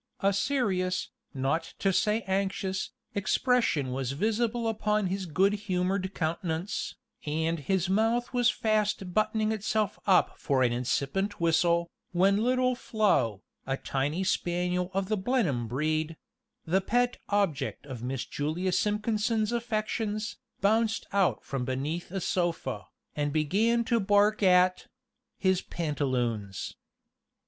A serious, not to say anxious, expression was visible upon his good humored countenance, and his mouth was fast buttoning itself up for an incipient whistle, when little Flo, a tiny spaniel of the Blenheim breed the pet object of Miss Julia Simpkinson's affections bounced out from beneath a sofa, and began to bark at his pantaloons.